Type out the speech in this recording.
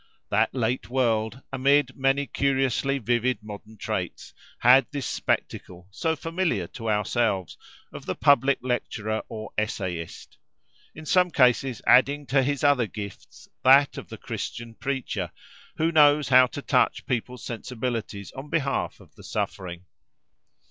That late world, amid many curiously vivid modern traits, had this spectacle, so familiar to ourselves, of the public lecturer or essayist; in some cases adding to his other gifts that of the Christian preacher, who knows how to touch people's sensibilities on behalf of the suffering.